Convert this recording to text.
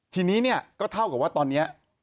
ทีนี้เนี่ยก็เท่ากับว่าตอนนี้